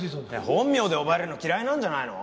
本名で呼ばれるの嫌いなんじゃないの？